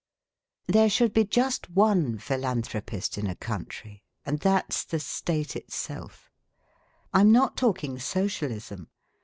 There should be just one philanthropist in a country and that J s the State itself. I'm not talking socialism.